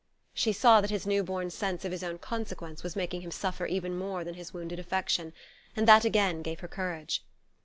She saw that his new born sense of his own consequence was making him suffer even more than his wounded affection; and that again gave her courage.